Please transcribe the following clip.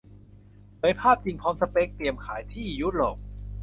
เผยภาพจริงพร้อมสเปกเตรียมขายที่ยุโรป